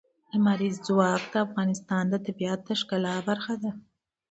لمریز ځواک د افغانستان د طبیعت د ښکلا برخه ده.